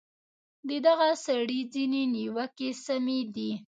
د دغه سړي ځینې نیوکې سمې دي.